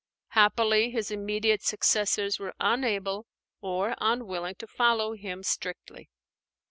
Happily his immediate successors were unable or unwilling to follow him strictly.